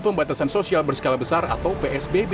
pembatasan sosial berskala besar atau psbb